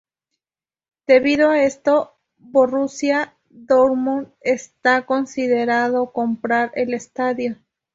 Debido a esto, Borussia Dortmund está considerando comprar el estadio.